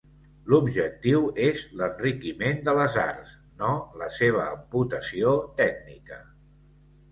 L'objectiu és l'enriquiment de les arts, no la seva amputació tècnica.